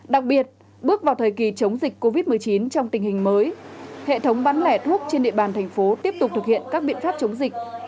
đặc biệt bước vào thời kỳ chống dịch covid một mươi chín trong tình hình mới hệ thống bán lẻ thuốc trên địa bàn thành phố tiếp tục thực hiện các biện pháp chống dịch